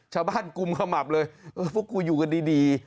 ชาวบ้านกุมขมับเลยพวกกูอยู่กันดี